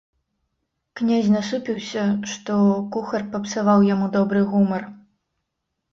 Князь насупіўся, што кухар папсаваў яму добры гумар.